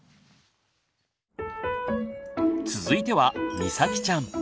続いてはみさきちゃん。